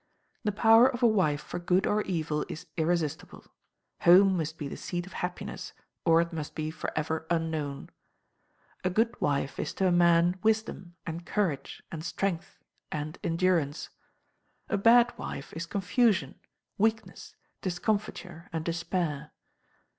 The power of a wife for good or evil is irresistible. Home must be the seat of happiness, or it must be for ever unknown. A good wife is to a man wisdom, and courage, and strength, and endurance. A bad wife is confusion, weakness, discomfiture, and despair.